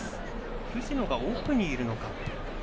藤野が奥にいるのか。